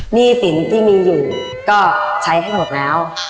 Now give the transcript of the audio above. หนี้สินที่มีอยู่ก็ใช้ให้หมดแล้ว